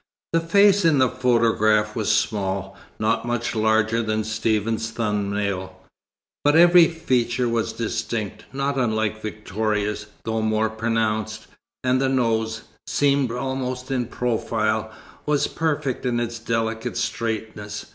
The face in the photograph was small, not much larger than Stephen's thumb nail, but every feature was distinct, not unlike Victoria's, though more pronounced; and the nose, seen almost in profile, was perfect in its delicate straightness.